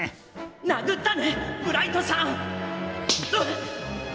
殴ったねブライトさん！